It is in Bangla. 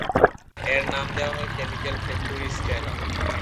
এর নাম দেয়া হয় কেমিক্যাল ফ্যাক্টরি স্টেলা।